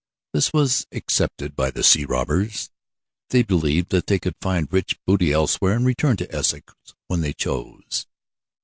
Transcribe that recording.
This was accepted by the sea robbers. They believed that they could find rich booty elsewhere and return to Wessex when they chose.